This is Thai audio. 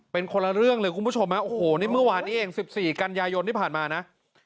เป็นคนละเรื่องเลยคุณผู้ชมนะโอ้โหนี่เมื่อวานนี้เอง๑๔กันยายนที่ผ่านมานะ